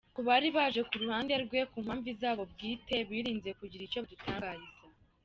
Ku bari baje ku ruhande rwe ku mpamvu zabo bwite birinze kugira icyo badutangariza.